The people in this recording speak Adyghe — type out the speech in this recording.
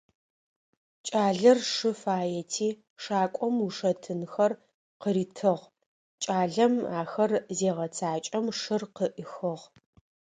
Кӏалэр шы фаети, шакӏом ушэтынхэр къыритыгъ, кӏалэм ахэр зегъэцакӏэм шыр къыӏихыгъ.